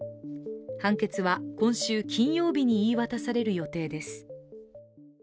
判決は今週金曜日に言い渡される予定です。